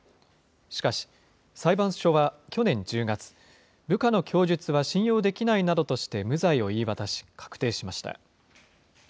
しかし、裁判所は去年１０月、部下の供述は信用できないなどとして、無罪を言い渡し、確定しました。